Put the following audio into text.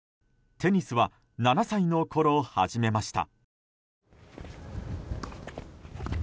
テニスは７歳のころ始めました。